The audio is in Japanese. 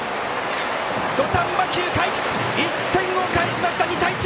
土壇場９回、１点を返しまして２対１。